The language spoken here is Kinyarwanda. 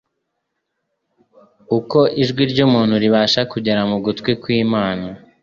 uko ijwi ry'umuntu ribasha kugera mu gutwi kw'Imana,